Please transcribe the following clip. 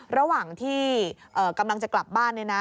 ระหว่างที่กำลังจะกลับบ้าน